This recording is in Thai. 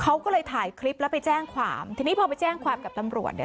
เขาก็เลยถ่ายคลิปแล้วไปแจ้งความทีนี้พอไปแจ้งความกับตำรวจเนี่ย